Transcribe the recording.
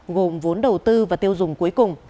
gồm vốn đầu tư và tiêu dùng cuối cùng